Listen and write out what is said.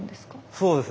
そうです